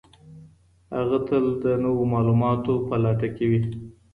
هغه تل د نويو معلوماتو په لټه کي وي.